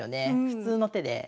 普通の手で。